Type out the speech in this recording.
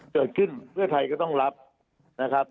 เกิดขึ้นเพื่อไทยก็ต้องรับนะครับ